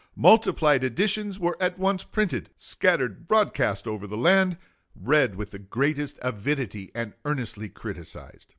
Multiplied editions were at once printed, scattered broadcast over the land, read with the greatest avidity, and earnestly criticised.